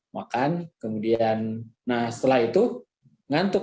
makan kemudian nah setelah itu ngantuk